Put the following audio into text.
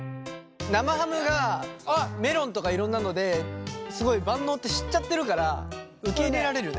生ハムがメロンとかいろんなのですごい万能って知っちゃってるから受け入れられるね。